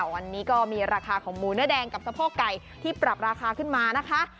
วันนี้ก็มีราคาของหมูเนื้อแดงกับสะโพกไก่ที่ปรับราคาขึ้นมานะคะ